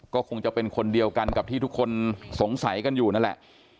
ก็คงจะเป็นคนเดียวกันกับที่ทุกคนสงสัยกันอยู่นั่นแหละ